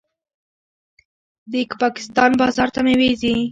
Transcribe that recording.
د پاکستان بازار ته میوې ځي.